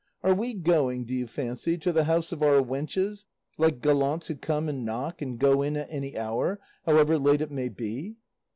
Are we going, do you fancy, to the house of our wenches, like gallants who come and knock and go in at any hour, however late it may be?"